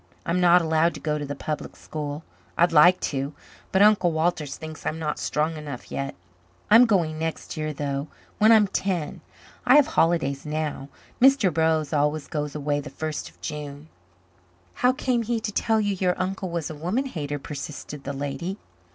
I'm not allowed to go to the public school. I'd like to, but Uncle Walter thinks I'm not strong enough yet. I'm going next year, though, when I'm ten. I have holidays now. Mr. Burroughs always goes away the first of June." "How came he to tell you your uncle was a woman hater?" persisted the lady.